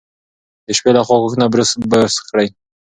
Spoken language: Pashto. د شپې لخوا غاښونه برس کړئ.